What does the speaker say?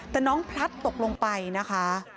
แต่น้องพลัดตกลงไปนะคะ